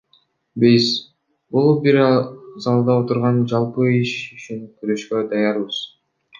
Биз, бул бир залда отургандар жалпы иш үчүн күрөшкө даярбыз.